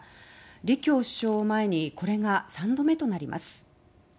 李強首相を前にこれが３度目となります。